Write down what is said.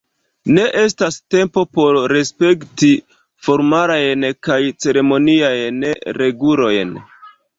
Ne estas tempo por respekti formalajn kaj ceremoniajn regulojn.